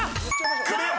［クリア！